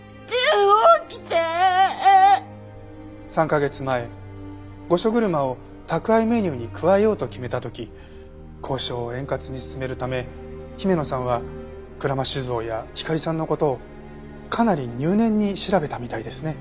３カ月前御所車を宅配メニューに加えようと決めた時交渉を円滑に進めるため姫野さんは鞍馬酒造やひかりさんの事をかなり入念に調べたみたいですね。